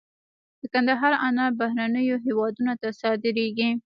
د کندهار انار بهرنیو هیوادونو ته صادریږي.